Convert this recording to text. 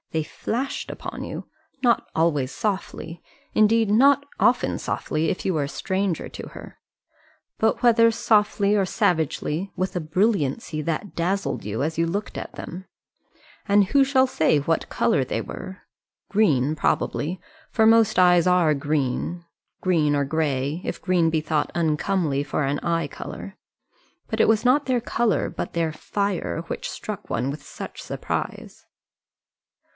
They flashed upon you not always softly; indeed not often softly, if you were a stranger to her; but whether softly or savagely, with a brilliancy that dazzled you as you looked at them. And who shall say of what colour they were? Green probably, for most eyes are green green or grey, if green be thought uncomely for an eye colour. But it was not their colour, but their fire, which struck one with such surprise.